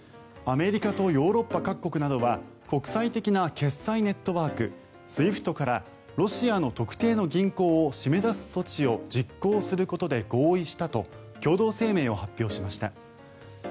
アメリカとヨーロッパ各国などは国際的な決済ネットワークＳＷＩＦＴからロシアの特定の銀行を締め出す措置を実行することで合意したと共同声明を発表しました。